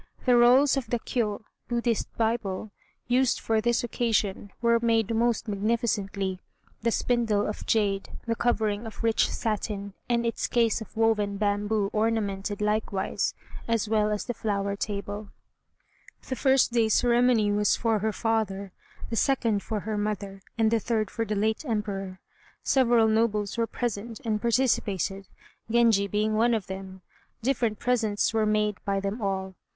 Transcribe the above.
The rolls of the Kiô (Buddhist Bible) used for this occasion were made most magnificently the spindle of jade, the covering of rich satin, and its case of woven bamboo ornamented likewise, as well as the flower table. The first day's ceremony was for her father, the second for her mother, and the third for the late Emperor. Several nobles were present, and participated, Genji being one of them. Different presents were made by them all.